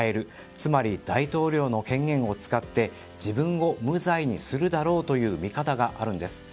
つまり、大統領の権限を使って自分を無罪にするだろうという見方があるんです。